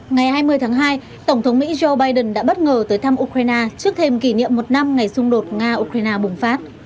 ngày hai mươi tháng hai tổng thống mỹ joe biden đã bất ngờ tới thăm ukraine trước thêm kỷ niệm một năm ngày xung đột nga ukraine bùng phát